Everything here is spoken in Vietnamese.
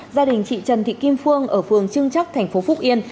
gia đình chị trần thị kim phương ở phường trưng chắc thành phố phúc yên